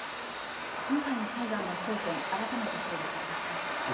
今回の裁判の争点、改めて整理してください。